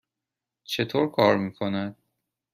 چطور کار می کند؟